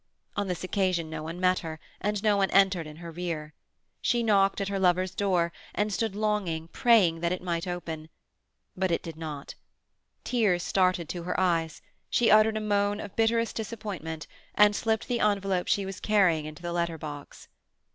On this occasion no one met her, and no one entered in her rear. She knocked at her lover's door, and stood longing, praying, that it might open. But it did not. Tears started to her eyes; she uttered a moan of bitterest disappointment, and slipped the envelope she was carrying into the letter box.